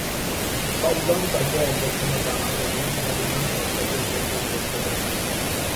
সাল্লাম তাকে অভ্যর্থনা জানান এবং মদিনার সম্পর্কে গোপন তথ্য দেন।